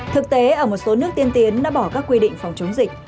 thực tế ở một số nước tiên tiến đã bỏ các quy định phòng chống dịch